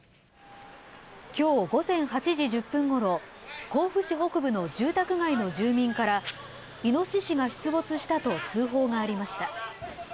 きょう午前８時１０分ごろ、甲府市北部の住宅街の住民から、イノシシが出没したと通報がありました。